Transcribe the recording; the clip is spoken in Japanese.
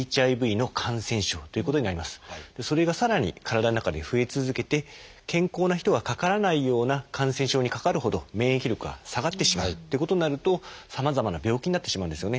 それがさらに体の中で増え続けて健康な人がかからないような感染症にかかるほど免疫力が下がってしまうということになるとさまざまな病気になってしまうんですよね。